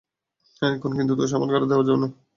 হ্যাঁ, এখন কিন্তু দোষ আমার ঘাড়ে দেয়া যাবে না, বুঝেছ বাবা?